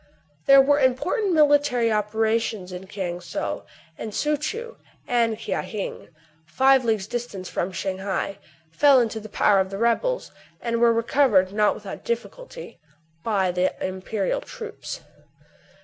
There were important military operations in Kiang Sou ; and Soo Choo and Kia Hing, five leagues distant from Shang hai, fell into the power of the rebels, and were recovered, not without difficulty, by the imperial troops.